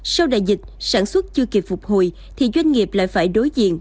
sau đại dịch sản xuất chưa kịp phục hồi thì doanh nghiệp lại phải đối diện